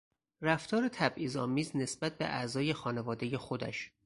رفتار تبعیضآمیز نسبت به اعضای خانوادهی خودش